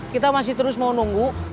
kita masih terus mau nunggu